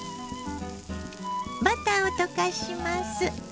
バターを溶かします。